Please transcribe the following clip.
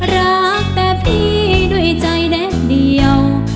รักแต่พี่ด้วยใจแนิดเดียว